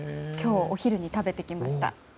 今日、お昼に食べてきました。